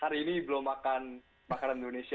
hari ini belum makan makanan indonesia